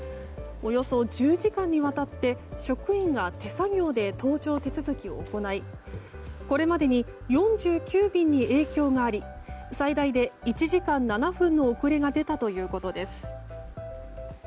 およそ１０時間にわたって職員が手作業で搭乗手続きを行いこれまでに４９便に影響があり最大で１時間７分の遅れが出たということです。